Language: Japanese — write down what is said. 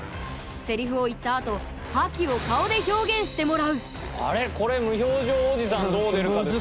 セリフを言った後覇気を顔で表現してもらうあれこれ無表情おじさんどう出るかですよね。